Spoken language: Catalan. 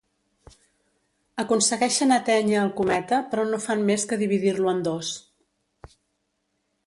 Aconsegueixen atènyer el cometa però no fan més que dividir-lo en dos.